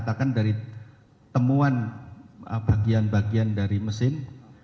katakan dari temuan bagian bagian dari mesin